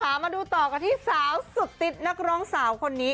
มาดูต่อกันที่สาวสุดติดนักร้องสาวคนนี้